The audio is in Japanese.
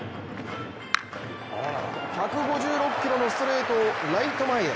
１５６キロのストレートをライト前へ。